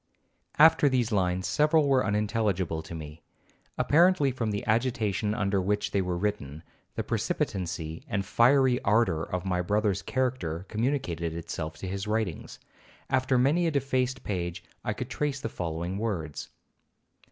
'(After these lines several were unintelligible to me, apparently from the agitation under which they were written;—the precipitancy and fiery ardor of my brother's character communicated itself to his writings. After many a defaced page I could trace the following words.)